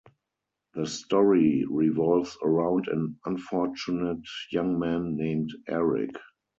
The story revolves around an unfortunate young man named Eric.